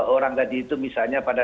orang tadi itu misalnya pada